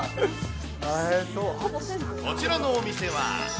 こちらのお店は。